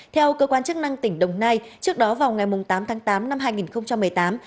theo cơ quan chức năng tỉnh đồng nai trước đó vào ngày tám tháng tám năm hai nghìn một mươi tám